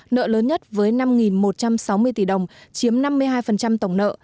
nợ lớn nhất với năm một trăm sáu mươi tỷ đồng chiếm năm mươi hai tổng nợ